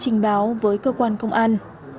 chị thu đã trình báo với cơ quan công an